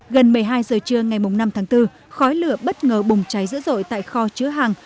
gần một mươi hai giờ trưa ngày năm tháng bốn khói lửa bất ngờ bùng cháy dữ dội tại kho chứa hàng